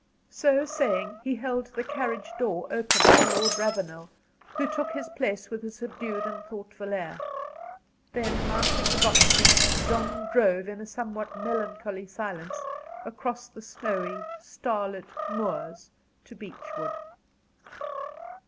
So saying, he held the carriage door open for Lord Ravenel, who took his place with a subdued and thoughtful air: then mounting the box seat, John drove, in somewhat melancholy silence, across the snowy, starlit moors to Beechwood.